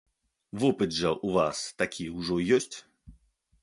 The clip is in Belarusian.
Вопыт жа ў вас такі ўжо ёсць.